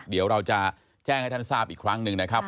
เดี๋ยวเราจะแจ้งให้ท่านทราบอีกครั้งหนึ่งนะครับ